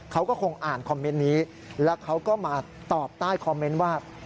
เขาก็คงอ่านคอมเมนต์นี้แล้วเขาก็มาตอบใต้คอมเมนต์ว่า